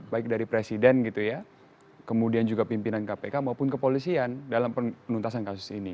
baik dari presiden gitu ya kemudian juga pimpinan kpk maupun kepolisian dalam penuntasan kasus ini